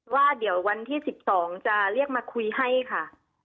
ว่าเดี๋ยววันที่๑๒จะเรียกมาคุยให้ค่ะ